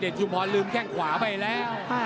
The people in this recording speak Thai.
เด่นชุมพรลืมแค่งขวาไปแล้ว